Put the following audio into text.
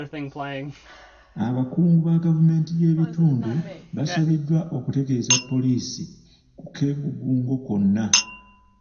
Abakungu ba gavumenti y'ebitundu basabibwa okutegeeza poliisi ku keekugungo konna.